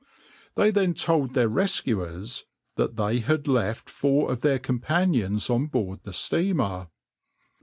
They then told their rescuers that they had left four of their companions on board the steamer.